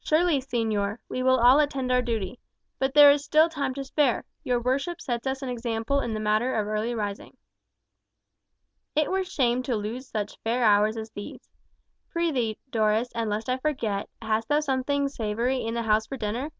"Surely, señor; we will all attend our duty. But there is still time to spare; your worship sets us an example in the matter of early rising." "It were shame to lose such fair hours as these. Prithee, Dolores, and lest I forget, hast thou something savoury in the house for dinner!"